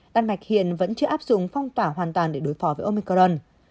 đan mạch hiện vẫn chưa áp dụng phong tỏa hoàn toàn để đối phó với omicron